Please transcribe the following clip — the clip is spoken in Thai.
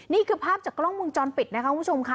นี่คือภาพจากกล้องวงจรปิดนะคะคุณผู้ชมค่ะ